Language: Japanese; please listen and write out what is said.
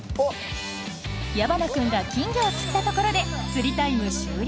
矢花君が金魚を釣ったところで釣りタイム終了。